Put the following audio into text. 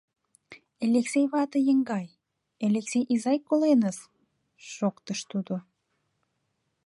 — Элексей вате еҥгай, Элексей изай коленыс, — шоктыш тудо.